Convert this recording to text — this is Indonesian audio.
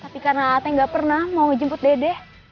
tapi karena a'a gak pernah mau ngejemput dede